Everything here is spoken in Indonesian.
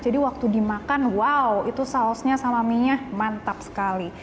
jadi waktu dimakan wow itu sausnya sama mienya mantap sekali